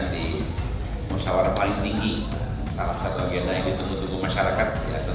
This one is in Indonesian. di pks ada tradisi dimana sebut keputusan itu diputuskan